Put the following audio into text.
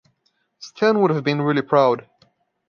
Stan would have been really proud.